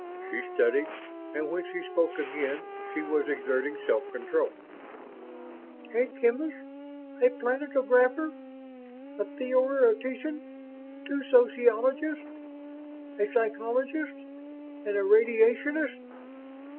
She studied, and when she spoke again she was exerting self control. "A chemist, a planetographer, a theoretician, two sociologists, a psychologist and a radiationist.